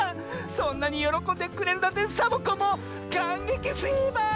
そんなによろこんでくれるなんてサボ子もかんげきフィーバー！